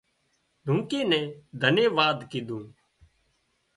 لونڪي نين ڌنيواد ڪيڌون